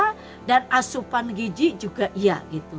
asupan otak ya dan asupan gigi juga ya